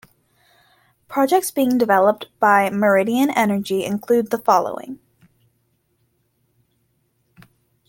Projects being developed by Meridian Energy include the following.